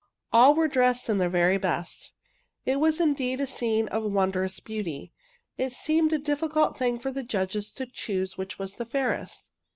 All were dressed in their very best. It was indeed a scene of wondrous beauty. It seemed a difficult thing for the judges to choose which was fairest.